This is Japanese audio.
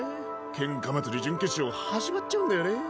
喧嘩祭り準決勝始まっちゃうんだよね。